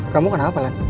kamu kenapa lan